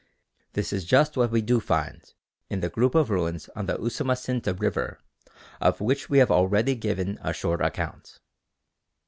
This is just what we do find in the group of ruins on the Usumacinta River of which we have already given a short account.